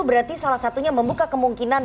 berarti salah satunya membuka kemungkinan